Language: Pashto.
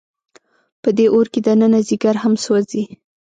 په دې اور کې دننه ځیګر هم سوځي.